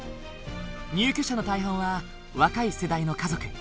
入居者の大半は若い世代の家族。